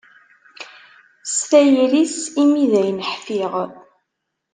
S tayri-s i mi dayen ḥfiɣ.